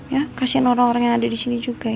ya kasihan orang orang yang ada disini juga ya